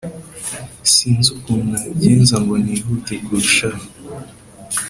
sinzi ukuntu nabigenza ngo nihute kurushaho